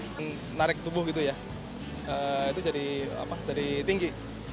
menarik tubuh gitu ya itu jadi tinggi